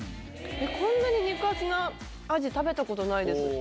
こんなに肉厚なアジ食べたことないです。